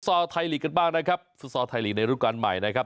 สุดท้อไทยหลีกกันบ้างนะครับสุดท้อไทยหลีกในรุ่นการใหม่นะครับ